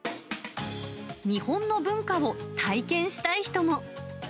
日本の文化を体験したい人も。